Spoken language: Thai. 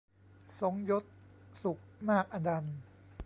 ทรงยศ สุขมากอนันต์